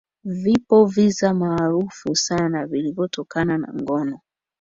vipo visa maarufu sana vilivyotokana na ngono